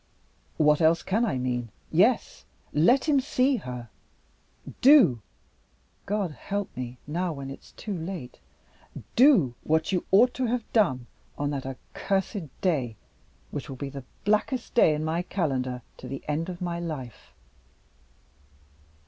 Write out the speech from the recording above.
"What else can I mean? Yes! let him see her. Do (God help me, now when it's too late!) do what you ought to have done, on that accursed day which will be the blackest day in my calendar, to the end of my life."